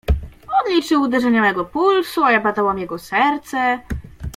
On liczył uderzenia mego pulsu, a ja badałam jego serce…